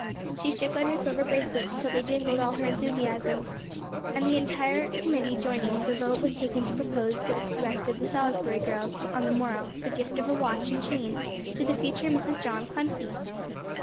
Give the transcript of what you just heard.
She shook out her silver bracelets till they jingled all her enthusiasm; and the entire committee joining, the vote was taken to propose to the rest of the "Salisbury girls," on the morrow, the gift of a watch and chain to the future Mrs. John Clemcy.